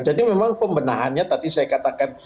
jadi memang pembenahannya tadi saya katakan